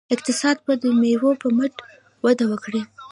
اقتصاد به د میوو په مټ وده وکړي.